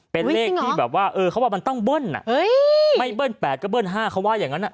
เป็นเลขที่แบบว่าเขาว่ามันต้องเบิ้ลไม่เบิ้ล๘ก็เบิ้ล๕เขาว่าอย่างนั้น